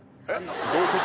どういうこと？